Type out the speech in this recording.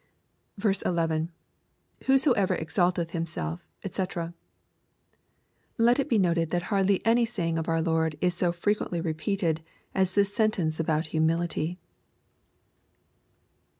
1 1 —[ Whosoever excdteih himself^ <fcc.] Let it be noted that hardjy any saying of our Lord's is so frequently repeated as this sentence about humility.